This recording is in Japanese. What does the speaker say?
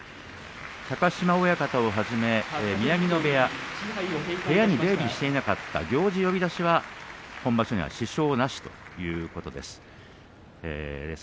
高島親方をはじめ宮城野部屋部屋に出入りしていなかった行司呼出しが今場所は支障なしということです。